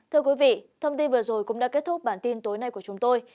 thưa quý vị thông tin vừa rồi cũng đã kết thúc bản tin tối nay của chúng tôi